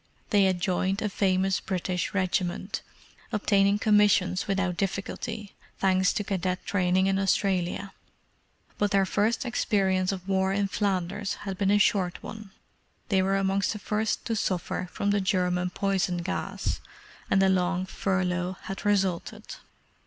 They had joined a famous British regiment, obtaining commissions without difficulty, thanks to cadet training in Australia. But their first experience of war in Flanders had been a short one: they were amongst the first to suffer from the German poison gas, and a long furlough had resulted.